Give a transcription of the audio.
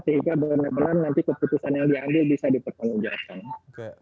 sehingga benar benar nanti keputusan yang diambil bisa dipertanggungjawabkan